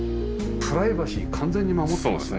プライバシー完全に守ってますね。